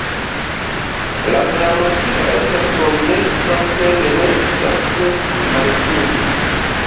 La gramatiko estas kompleksa, sed ne ekzakte malsimpla.